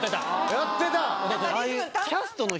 やってた！